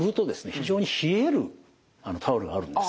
非常に冷えるタオルがあるんです。